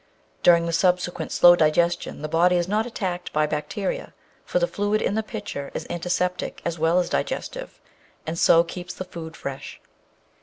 During the subsequent slow digestion the body is not attacked by bacteria, for the fluid in the pitcher is antiseptic as well as digestive and so keeps the food fresh.